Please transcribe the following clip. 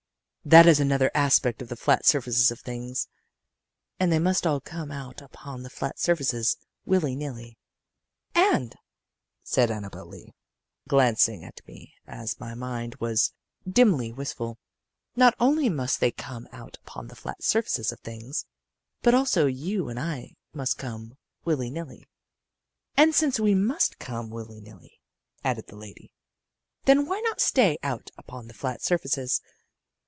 That is another aspect of the flat surfaces of things. And they must all come out upon the flat surfaces, willy nilly. "And," said Annabel Lee, glancing at me as my mind was dimly wistful; "not only must they come out upon the flat surfaces of things, but also you and I must come, willy nilly. "And since we must come, willy nilly," added the lady, "then why not stay out upon the flat surfaces?